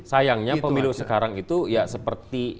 sayangnya pemilu sekarang itu ya seperti